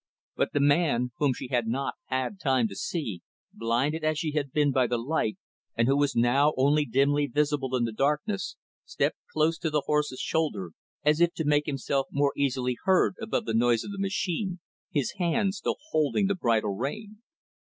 But the man whom she had not had time to see, blinded as she had been by the light, and who was now only dimly visible in the darkness stepped close to the horse's shoulder, as if to make himself more easily heard above the noise of the machine, his hand still holding the bridle rein.